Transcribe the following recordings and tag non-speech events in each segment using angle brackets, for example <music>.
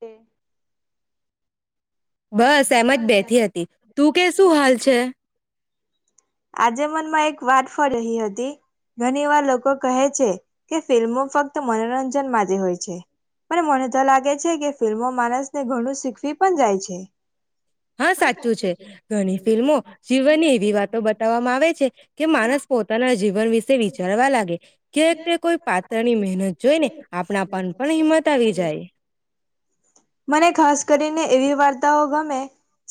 તે બસ એમ જ બેઠ હતી, તું કે સુું હાલ છે? આજે મનમાં એક વાત ફળ રહી હતી, ઘણી વાર લોકો કહે છે કે ફિલ્મો ફક્ત મનોરંજન માં હોય છે, પણ મને તો લાગે છે કે ફિલ્મો માણસને ઘણું શીખવી પણ જાય છે. હા સાચું છે, ઘણી ફિલ્મો જીવની એવી વાતો વામાં આવે છે કે માણસ પોતાના જીવન વિશે વિચારવા લાગે. કે તે કોઈ પાત્ર ની મહેનત જોઈને આપણા પન પણ હિંમત આવી જાય. મને ખાસ કરીને એવી વાર્તાઓ ગમે,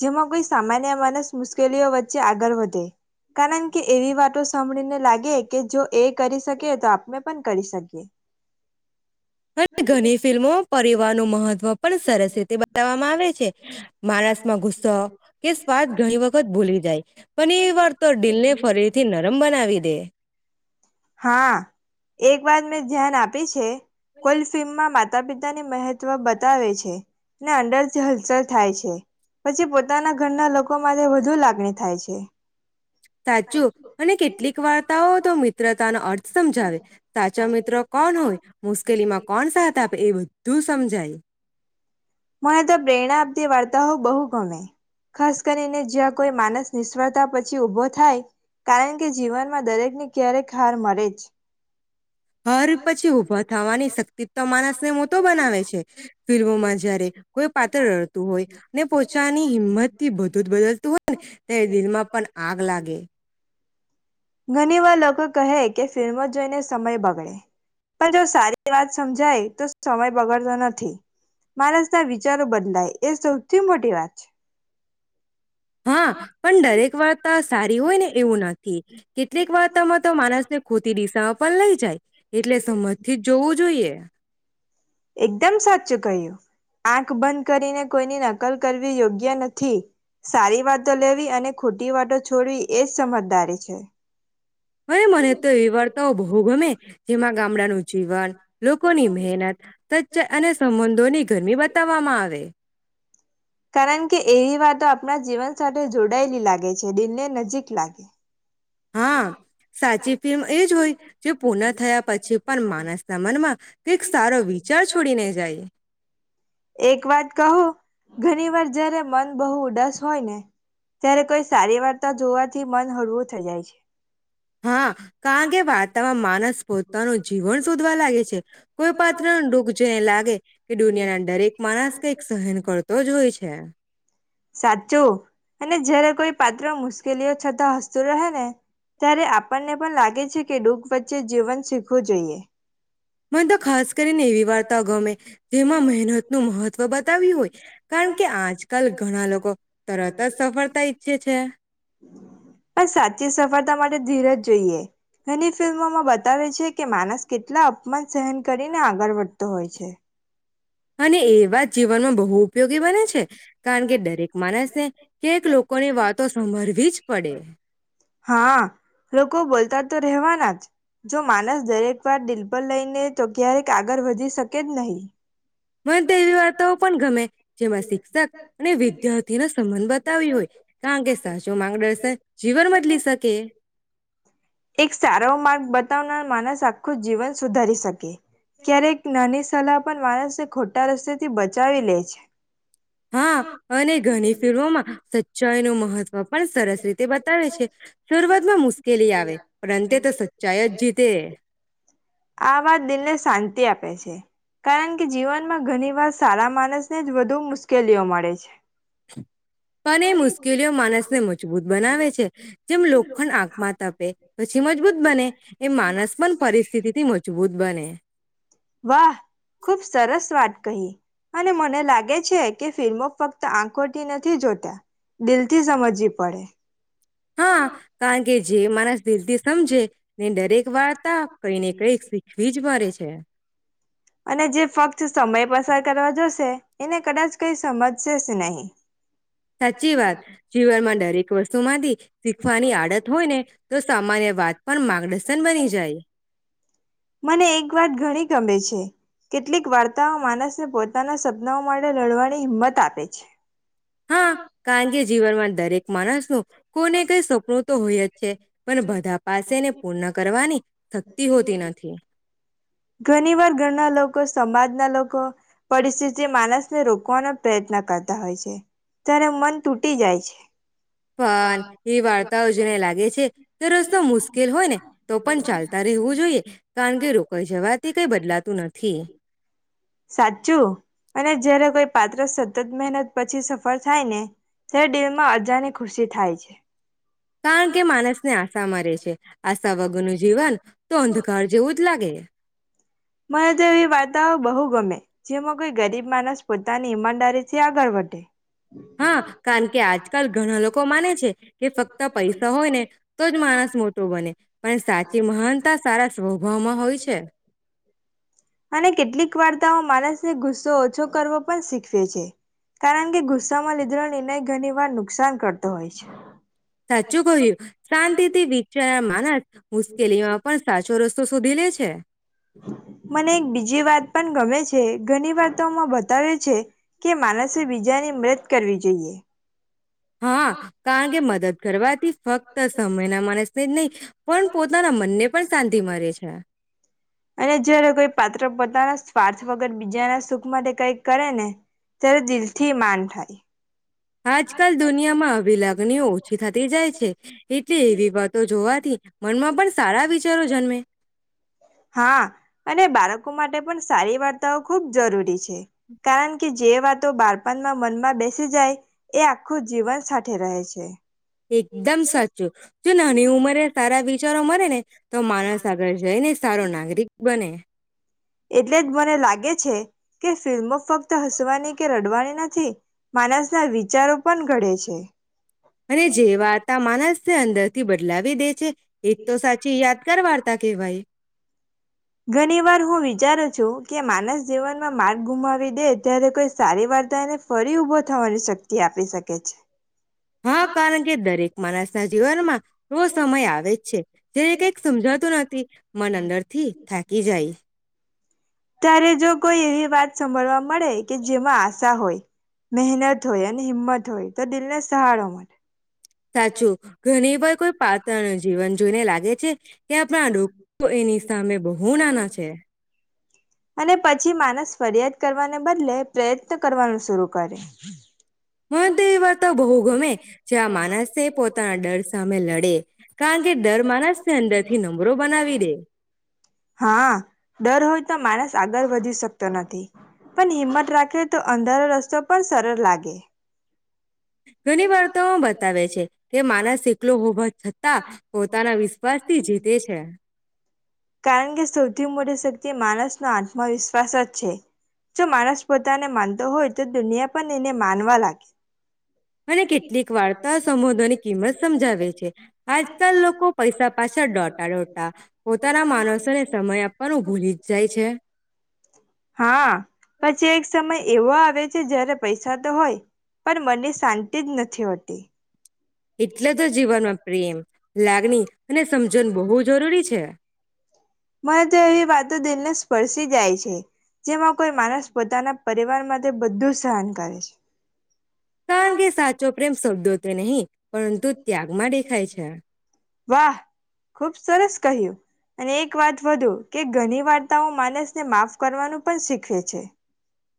જેમાં કોઈ સામાન્ય માનસ મુશ્કેલીઓ વચ્ચે આગળ વધે, કારણ કે એવી વાતો સાંભળીને લાગે કે જો એ કરી શકે તો આપમે પણ કરી શકીએ. અને ઘણી ફિલ્મો પરિવારનું મહત્વ પણ સરસ રીતે બતાવવામાં આવે છે. માણસ માં ગુસ્સો કે સ્વાદ ઘણી વખત ભૂલી જાય. પણ એ વાર તો ડીલને ફરીથી નરમ બનાવી દે. હા, એક વાત મેં ધ્યાન આપી છે કોલસીમાં મા માતા પિતાની મહત્વ બતાવે છે, ને અંદરથી હલચલ થાય છે, પછી પોતાના ઘરના લોકો માટે વધુ લાગણી થાય છે. સાચું, અને કેટલીક વાર્તાઓ તો મિત્રતાનો અર્થ સમજાવે, સાચો મિત્રો કોણ હોય મુશ્કેલીમાં કોણ સાથ આપે એ બધું સમજાય. મને તો પ્રેરણા આપતી વાર્તાઓ બહુ ગમે, ખાસ કરીને જ્યાં કોઈ માણસ નિષ્ફળતા પછી ઊભો થાય, કારણ કે જીવનમાં દરેકને ક્યારેક હાર મળે જ. હર પછી ઊભા થવાની શક્તિ તો માણસ ને મોટો બનાવે છે, ફિલ્મોમાં જે જ્યારે કોઈ પાત્ર રડતું હોય ને પોચાની હિંમત થી બધું જ બદલતું હોય ને, દિલમાં પણ આગ લાગે. ઘણી વાર લોકો કહે કે ફિલ્મો જોઈને સમય બગડે, પણ જો સારી વાત સમજાય તો સમય બગાડતો નથી, માણસના વિચારો બદલાય એ સૌથી મોટી વાત છે. હા, પણ દરેક વાર્તા સારી હોય ને એવું નથી, કેટલીક વાર્તામાં તો માણસને ખોટી દિશામાં પણ લઇ જાય, એટલે સમજથી જ જોવું જોઈએ. એકદમ સાચું કહ્યું, આંખ બંધ કરીને કોઈની નકલ કરવી યોગ્ય નથી, સારી વાતો લેવી અને ખોટી વાતો છોડવી. એજ સમજદારી છે. અને મને તો એ વાર્તાઓ બહુ ગમે, જેમાં ગામડાનું જીવન, લોકોની મહેનત, સચ અને સંબંધોની ગરમી બતાવવામાં આવે. કારણ કે એ એ વાત આપણા જીવન સાથે જોડાયેલી લાગે છે દિલને નજીક લાગે. હા સાચી ફિલ્મ એજ હોય, જે પૂર્ણ થયા પછી પણ માણસના મનમાં, કંઈક સારો વિચાર છોડીને જાય. એક વાત કહું ઘણી વાર જયારે મન બહુ ઉદાસ હોય ને, ત્યારે કોઈ સારી વાર્તા જોવાથી મન હળવું થઈ જાય છે. હા કારણ કે વાર્તામાં માણસ પોતાનું જીવન શોધવા લાગે છે. કોઈ પાત્રનું દુઃખ જોઈને લાગે કે દુનિયા ના દરેક માણસ કંઈક સહન કરતો જ હોય છે. સાચું અને જયારે કોઈ પાત્ર મુશ્કેલીઓ છતાં હસતું રહે ને ત્યારે આપણને પણ લાગે છે કે દુખ વચ્ચે જીવન શીખવું જોઈએ. મને તો ખાસ કરીને એવી વાર્તાઓ ગમે જેમાં મહેનતનું મહત્વ બતાવ્યું હોય, કારણ કે આજકાલ ઘણા લોકો તરત જ સફળતા ઈચ્છે છે. આ સાચી સફળતા માટે ધીરજ જોઈએ. ઘણી ફિલ્મોમાં બતાવે છે કે માણસ કેટલા અપમાન સહન કરીને આગળ વધતો હોય છે. અને એવા જ જીવનનો બહુ ઉપયોગ ગી બને છે. કારણ કે દરેક માણસ ને કેક લોકોની વાતો સાંભળવી જ પડે. હા લોકો બોલતા તો રહેવાના જ, જો માણસ દરેક વાર દિલ પર લઈ લે તો ક્યારેક આગળ વધી શકે જ નહીં. મન તો એવી વાર્તાઓ પણ ગમે જેમાં શિક્ષક અને વિદ્યાર્થી નો સંબંધ બતાવ્યો હોય કારણ કે સાચો માગદર્શન જીવન બદલી શકે. એક સારો માર્ગ બતાવનાર માણસ આખું જીવન સુધારી શકે. ક્યારેક નાની સલાહ પણ માણસને ખોટા રસ્તે થી બચાવી લે છે. હા અને ઘણી ફિલ્મોમાં સચ્ચાઈ નું મહત્વ પણ સરસ રીતે બતાવે છે. શરઆતમાં મુશ્કેલી આવે પણ અંતે તો સચ્ચાઈ જ જીતે. આ વાત દિલને શાંતિ આપે છે. કારણ કે જીવનમાં ઘણી વાર સારા માણસને જ વધુ મુશ્કેલીઓ મળે છે. પણ એ મુશ્કેલીઓ માણસને મજબૂત બનાવે છે. જેમ લોખંડ આંખમાં તપે પછી મજબૂત બને એ માનસ પણ પરિસ્થિતિ તિ મજબૂત બને. વાહ, ખુબ સરસ શુ વાત કહી અને મને લાગે છે કે ફિલ્મો ફક્ત આંખોથી નથી જોતા દિલથી સમજવી પડે. હા, કારણ કે જે માણસ દિલથી સમજે ને દરેક વાર્તા કઈને કઈક શીખવી જ પડે છે. અને જે ફક્ત સમય પસાર કરવા જશ શે, એને કદાચ કઈ સમજશે સ નહી. સાચી વાત જીવનમાં દરેક વસ્તુમાંથી શીખવાની આડત હોય ને તો સામાન્ય વાત પણ માર્ગદર્શન બની જાય. મને એક વાત ઘણી ગમે છે. કેટલીક વાર્તાઓ માણસને પોતાના સપનાઓ માટે લડવાની હિંમત આપે છે. હા કારણ કે જીવનમાં દરેક માણસનું કોઈને કઈ સપનું તો હોય જ છે. પણ બધા પાસેને પૂર્ણ કરવાની શક્તિ હોતી નથી. ઘણી વાર ઘણા લોક કો, સમાજના લોકો પરિસ્થિતિ માણસને રોકવાનો પ્રયત્ન કરતા હોય છે, ત્યારે મન તૂટી જાય છે. પણ એ વાર્તાઓ જેને લાગે છે. કે રસ્તો મુશ્કેલ હોય ને તો પણ ચાલતા રહેવું જોઈએ, કારણ કે રોકાઈ જવાથી કઈ બદલાતું નથી. સાચું, અને જયારે કોઈ પાત્ર સતત મહેનત પછી સફળ થાય ને ત્યારે દિલમાં અજાની ખુશી થાય છે. કારણ કે માણસને આશા મરે છે આશા વગરનું જીવન તો અંધકાર જેવું જ લાગે. મને તો એવી વાર્તાઓ બહુ ગમે જેમાં કોઈ ગરીબ માણસ પોતાની ઈમાનદારી થી આગળ વધે. હા કારણ કે આજકાલ ઘણા લોકો માને છે કે ફક્ત પૈસા હોય ને તો જ માણસ મોટો બને, પણ સાચી મહાનતા સારા સ્વભાવમાં હોય છે. અને કેટલીક વાર્તાઓ માણસને ગુસ્સો ઓછો કરવો પણ શીખવે છે. કારણ કે ગુસ્સામાં લીધેલો નિર્ણય ઘણી વાર નુકસાન કરતો હોય છે. સાચું કહ્યું શાંતિથી વિચાર્યા માનસ મુશ્કેલીમાં પણ સાચો રસ તો શોધી લે છે. મને એક બીજી વાત પણ ગમે છે ઘણી વાતોમાં બતાવે છે કે માણસે બીજાની મદત કરવી જોઈએ. હા કારણ કે મદદ કરવાથી ફક્ત સામે ના માણસને જ નહીં પણ પોતાના મનને પણ શાંતિ મળે છે. અને જયારે કોઈ પાત્ર પત પોતાના સ્વાર્થ વગર બીજાના સુખ માટે કઈ કરે ને ત્યારે દિલ થી માન થાય. આજકાલ દુનિયામાં આવી લાગણીઓ ઓછી થતી જાય છે એટલે એવી વાતો જોવાથી મનમાં પણ સારા વિચારો જન્મે. લોકો માટે પણ સારી વાર્તાઓ ખૂબ જરૂરી છે. કારણ કે જે વાતો બાળપણમાં મનમાં બેસી જાય એ આખું જીવન સાથે રહે છે. એકદમ સાચું જો નાની ઉંમરે સારા વિ ચારો મરે ને તો માણસ આગળ જઈ ને સારો નાગરિક બને. એટલે જ મને લાગે છે કે ફિલ્મો ફક્ત હસવાની કે રડવાની નથી માનસના વિચારો પણ ઘડે છે. અને જે વાર્તા માનસને અંદરથી બદલાવી દે એક તો સાચી યાદગાર વાર્તા કેવાઈ. ગણી વાર હુ વિચારું છુ કે માનસ જીવનમાં માર્ગ ગુમાવી દે ત્યારે કોઈ સારી વાર્તા એને ફરી ઉભો થવાની શક્તિ આપી શકે છે. હા કારણ કે દરેક માણસ તા જીવનમાં રો સમય આવે જ છે જેને કઈક સમજાતું નથી મન અંદર થી થાકી જાય. ત્યારે જો કોઈ એવી વાત સાભળવા મળે કે જેમાં આશા હોય, મહેનત હોય અને હિંમત હોય તો દિલને સહારો મળે. સાચું, ઘણી વાર કોઈ પા તણું જીવન જોને લાગે છે ત્યાં આપણા ડ એની સામે બહુ નાના છે. અને પછી માણસ ફરિયાદ કરવાને બદલે પ્રયત્ન કરવાનું શરૂ કરે. મહંત એ વા તો બહુ ગમે, જ્યાં માનસે પોતાના ડર સામે લડે, કારણ કે ડર માનસ <unintelligible> આગળ વધી શકતો નથી, પણ હિંમત રાખે તો અંધારો રસ્તો પણ સરળ લાગે. ઘણી વાર્તા બતાવે છે, કે માનસ એકલો હોવા છતાં, પોતાના વિશ્વાસ થી જીતે છે. કારણ કે સૌથી મોટી શક્તિ માણસનો આત્મવિશ્વાસ જ છે, જો માણસ પોતાને માનતો હોય તો દુનિયા પણ એને માનવા લાગે. અને કેટલીક વાર્તા સંબોંધોની કિંમત સમજાવે છે, આજકાલ લોકો પૈસા પાછા ડોટા ડોટા જ જાય છે હા પછી એક સમય એવો આવે છે <unintelligible> જયારે પૈસા તો હોય, પણ મને શાંતિ જ નથી હોતી. એટલે તો જીવનમાં પ્રેમ લાગણી, અને સમજણ બહુ જરૂરી છે. મરે તો એવી વાતો દિલને સ્પર્શી જાય છે જેમાં કોઈ માણસ પોતાના પરિવાર માટે બધું સહન કરે છે. કારણ કે સાચો પ્રેમ શબ્દો તે નહીં. પરંતુ ત્યાગમાં દેખાય છે. વાહ, ખુબ સરસ કહ્યું અને એક વાત વધુ કે ઘણી વાર્તાઓ માનસને માફ કરવાનું પણ શીખવે છે.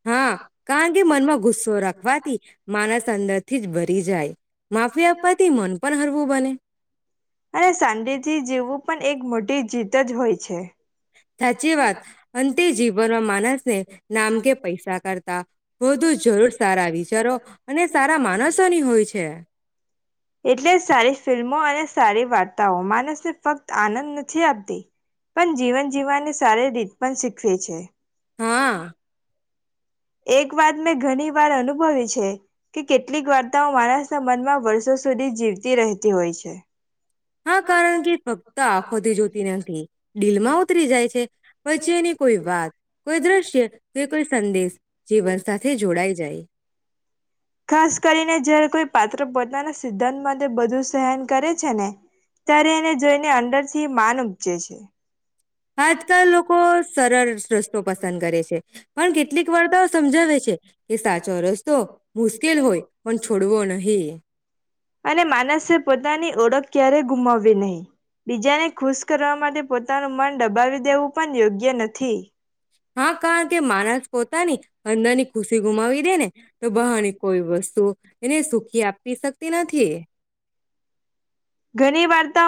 હા કારણ કે મનમાં ગુસ્સો રાખવાથી માનસ અંદરથી જ ભરી જાય. માફી આપવાથી મન પણ હરવું બને. અને સંડે થી જેવું પણ એક મોટી જીત જ હોય છે. સાચી વાત અંતે જીવનવા માનર ને નામ કે પૈસા કરતા <unintelligible> વધુ જરૂર સારા વિચારો અને સારા માણસોની હોય છે. એટલે સારી ફિલ્મો અને સારી વાર્તાઓ માણસને ફક્ત આનંદ નથી આપતી પણ જીવન જીવવાની સારી રીત પણ શીખવે છે. હા. એક વાત મેં ઘણી વાર અનુભવી છે. કે કેટલીક વાર્તાઓ માનસ મનમાં વર્ષો સુધી જીવતી રહેતી હોય છે. હા કારણ કે ફક્ત આંખોથી જોતી નથી દડીલમાં ઉતરી જાય છે પછી એની કોઈ વાત કોઈ દ્રશ્ય કે કોઈ સંદેશ જીવન સાથે જોડાઈ જાય. ખાસ કરીને જ કોઈ પાત્ર પોતાના સિદ્ધાંત માટે બધું સહન કરે છે ને ત્યારે એને જોઈને ને અંંદર થી માન ઉપજે છે. આજકાલ લોકો સરળ રસ્તો પસંદ કરે છે. પણ કેટલીક વાર્તાઓ સમજાવે છે કે સાચો રસ્તો મુશ્કેલ હોય પણ છોડવો નહી. અને માનસે પોતાની ઓળખ ક્યારેય ગુમાવવી નહી બીજાને ખુશ કરવા માટે પોતાનું મન દબાવી દેવું પણ યોગ્ય નથી. હા કારણ કે માણસ પોતાની અંદરની ખુશી ગુમાવી દે ને તો બહાની કોઈ વસ્તુ એને સુખી આપી શક તી નથી. ઘણી વાર્તાઓ